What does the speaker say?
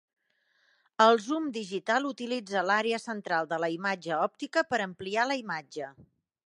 El zoom digital utilitza l'àrea central de la imatge òptica per ampliar la imatge.